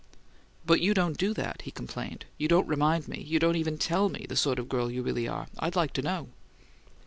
"But you don't do that," he complained. "You don't remind me you don't even tell me the sort of girl you really are! I'd like to know."